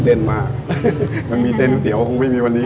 เซนมากมันมีเซนนาวเตี๋ยวคงไม่มีวันนี้